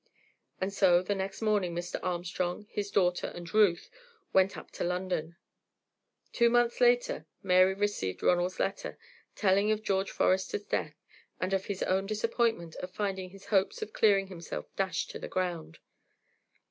And so the next morning Mr. Armstrong, his daughter, and Ruth went up to London. Two months later, Mary received Ronald's letter, telling of George Forester's death, and of his own disappointment at finding his hopes of clearing himself dashed to the ground.